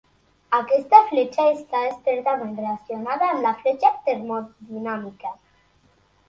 Aquesta fletxa està estretament relacionada amb la fletxa termodinàmica.